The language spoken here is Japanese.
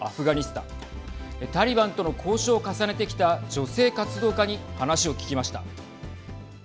タリバンとの交渉を重ねてきた女性活動家に話を聞きました。